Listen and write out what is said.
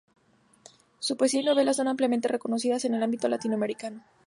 Su poesía y novelas son ampliamente reconocidas en el ámbito latinoamericano.